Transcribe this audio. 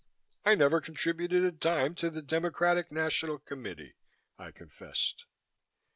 "I never contributed a dime to the Democratic National Committee," I confessed.